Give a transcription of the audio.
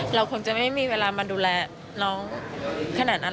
เราคงจะไม่มีเวลามาดูแลน้องขนาดนั้น